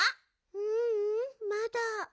ううんまだ。